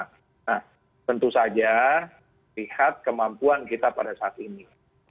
nah tentu saja lihat kemampuan kita pada saat ini